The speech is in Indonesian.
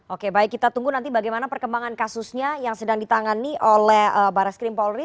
oke baik kita tunggu nanti bagaimana perkembangan kasusnya yang sedang ditangani oleh barreskrim polri